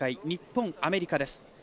日本、アメリカです。